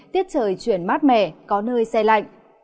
tiết trời chuyển mát mẻ có nơi xe lạnh